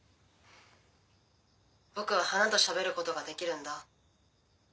僕は花と喋ることができるんだ。